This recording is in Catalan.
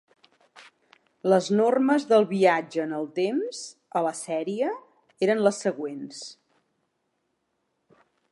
Les normes del viatge en el temps a la sèrie eren les següents.